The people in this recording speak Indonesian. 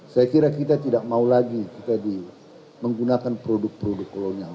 saya kira kita tidak mau lagi kita menggunakan produk produk kolonial